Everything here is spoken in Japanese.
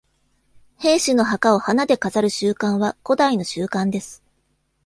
兵士の墓を花で飾る習慣は古代の習慣です。